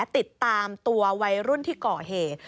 ติดตามตัววัยรุ่นที่ก่อเหตุ